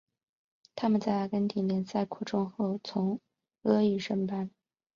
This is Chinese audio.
他们在阿根廷联赛扩充后从阿乙升班。